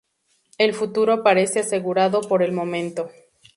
El futuro parece asegurado por el momento.